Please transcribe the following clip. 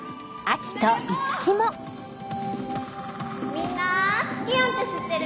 みんなツキヨンって知ってる？